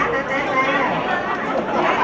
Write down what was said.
สวัสดีครับ